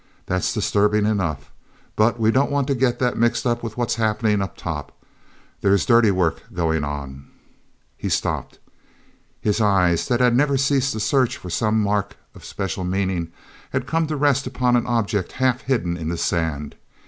That's disturbing enough, but we don't want to get that mixed up with what's happening up top. There's dirty work going on—" He stopped. His eyes, that had never ceased to search for some mark of special meaning, had come to rest upon an object half hidden in the sand.